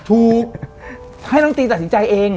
ถูกให้นักรุ่นตรีตัดสินใจเอง